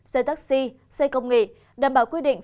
xe taxi xe công nghệ đảm bảo quy định